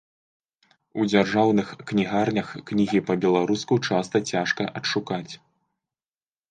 У дзяржаўных кнігарнях кнігі па-беларуску часта цяжка адшукаць.